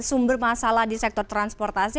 sumber masalah di sektor transportasi